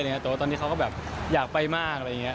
แต่ว่าตอนนี้เขาก็แบบอยากไปมากอะไรอย่างนี้